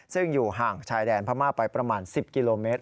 ซึ่งอยู่ห่างชายแดนพม่าไปประมาณ๑๐กิโลเมตร